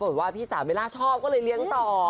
ว่าพี่สาวเบลล่าชอบก็เลยเลี้ยงต่อ